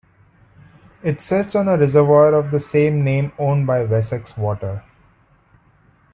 It sits on a reservoir of the same name owned by Wessex Water.